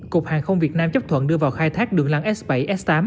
cục hàng không việt nam chấp thuận đưa vào khai thác đường lăng s bảy s tám